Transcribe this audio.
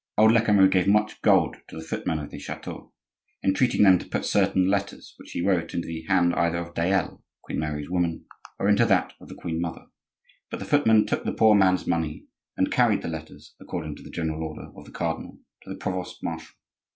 Old Lecamus gave much gold to the footmen of the chateau, entreating them to put certain letters which he wrote into the hand either of Dayelle, Queen Mary's woman, or into that of the queen mother; but the footmen took the poor man's money and carried the letters, according to the general order of the cardinal, to the provost marshal.